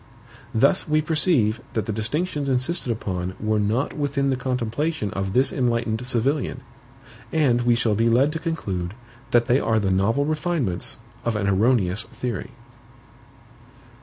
Thus we perceive that the distinctions insisted upon were not within the contemplation of this enlightened civilian; and we shall be led to conclude, that they are the novel refinements of an erroneous theory.